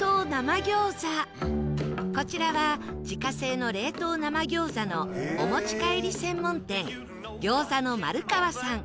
こちらは自家製の冷凍生餃子のお持ち帰り専門店餃子のまるかわさん